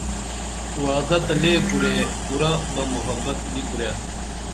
وعدہ تہ لے کُرے پُرہ بہ محبت نی کُرے